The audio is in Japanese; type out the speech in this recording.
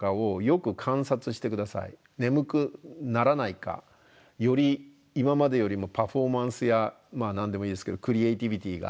眠くならないかより今までよりもパフォーマンスや何でもいいですけどクリエイティビティが上がったか。